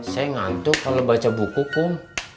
saya ngantuk kalau baca buku pun